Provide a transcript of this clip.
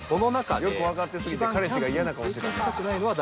よくわかってすぎて彼氏が嫌な顔してたね。